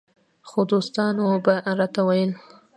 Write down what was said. خو دوستانو به راته ویل